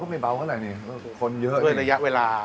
ก็ไม่ดีและบางไม่เงียบ